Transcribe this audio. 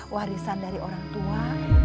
warisan dari orang tua